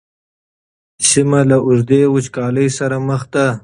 سیمه له اوږدې وچکالۍ سره مخ ده.